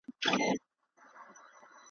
په دې حالت کي فرد اخلاقي دنده احساسوي.